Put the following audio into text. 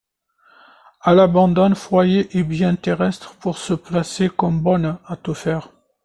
Elle abandonne foyer et biens terrestres pour se placer comme bonne à tout faire.